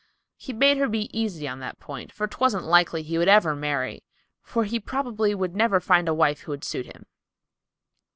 He bade her be easy on that point, for 'twasn't likely he would ever marry, for he probably would never find a wife who would suit him.